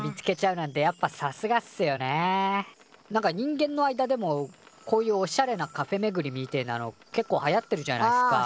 なんか人間の間でもこういうおしゃれなカフェめぐりみてえなのけっこうはやってるじゃないっすかあ。